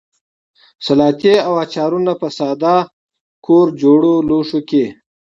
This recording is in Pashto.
سلاتې او اچارونه په ساده کورجوړو لوښیو کې.